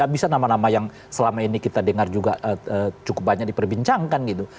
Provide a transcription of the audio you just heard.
bisa nama nama yang selama ini kita dengar juga cukup banyak diperbincangkan gitu